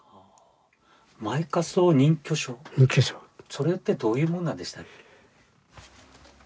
それってどういうもんなんでしたっけ？